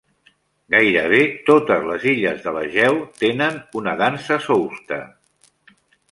Gairebé totes les illes de l'Egeu tenen una dansa sousta.